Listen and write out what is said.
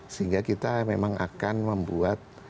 sehingga kita memang akan membuat